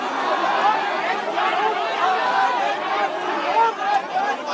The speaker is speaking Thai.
เมื่อล้มล้วงก็เลยถูกเหยียบนะคะก็เลยได้รับบาดเจ็บค่ะ